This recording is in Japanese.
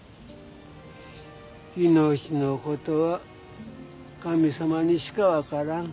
命のことは神様にしか分からん。